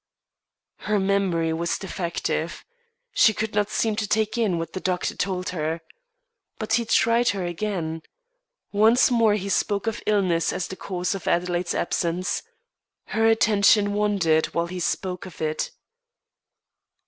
Her memory was defective. She could not seem to take in what the doctor told her. But he tried her again. Once more he spoke of illness as the cause of Adelaide's absence. Her attention wandered while he spoke of it.